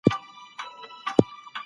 بیا په وږغیږئ او پر وږغیږئ!